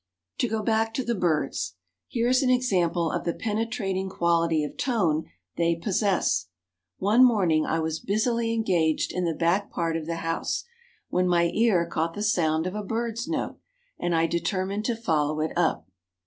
To go back to the birds. Here is an example of the penetrating quality of tone they possess. One morning I was busily engaged in the back part of the house, when my ear caught the sound of a bird's note, and I determined to follow it up.